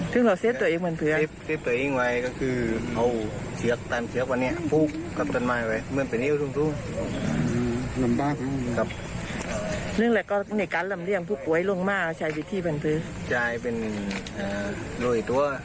เหมือนว่าเป็นเอว